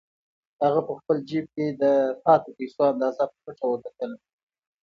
هغه په خپل جېب کې د پاتې پیسو اندازه په پټه وکتله.